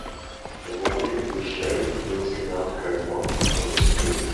A woman in a blue shirt rinsing out her mop on the street.